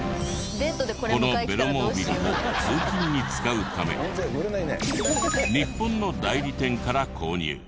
このベロモービルを通勤に使うため日本の代理店から購入。